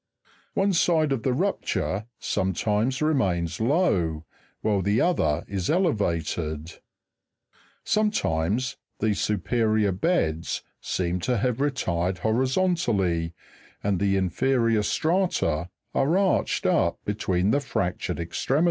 One side of the rupture sometimes remains low, while the other is elevated, as represented (Jig. 265). Sometimes the supe rior beds seem to have retired horizontally, and the inferior strata are arched up between the fractured extremities, as seen (fig.